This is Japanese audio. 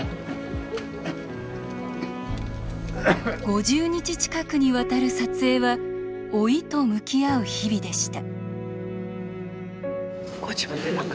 ５０日近くにわたる撮影は老いと向き合う日々でした。